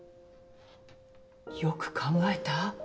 よく考えた？